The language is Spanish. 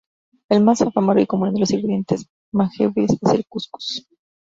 El más afamado y común de los ingredientes magrebíes es el: Cuscús.